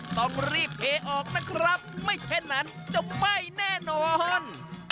ต้องรีบเทออกนะครับไม่แค่นั้นจะไหม้แน่นอน